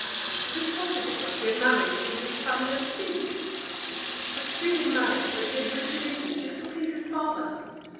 Was it possible that he had married into a family of thieves? A stupid marriage that he had drifted into, just to please his father!